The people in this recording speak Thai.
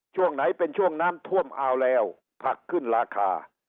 ช่วงไหนเป็นช่วงน้ำท่วมเอาแล้วผักขึ้นราคา